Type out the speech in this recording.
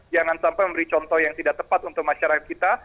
jangan sampai memberi contoh yang tidak tepat untuk masyarakat kita